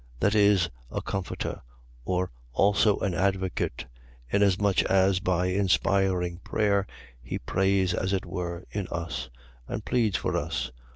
That is, a comforter: or also an advocate; inasmuch as by inspiring prayer, he prays, as it were, in us, and pleads for us.